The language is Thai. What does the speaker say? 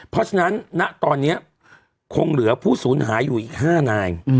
เพราะฉะนั้นณตอนนี้คงเหลือผู้สูญหายอยู่อีก๕นาย